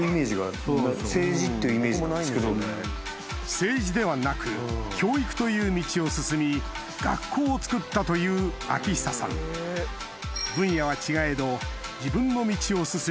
政治ではなく教育という道を進み学校をつくったという章久さん分野は違えど自分の道を進み